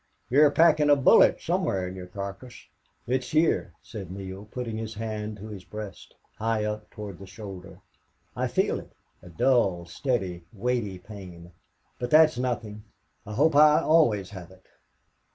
You're packin' a bullet somewhar in your carcass." "It's here," said Neale, putting his hand to his breast, high up toward the shoulder. "I feel it a dull, steady, weighty pain.... But that's nothing. I hope I always have it."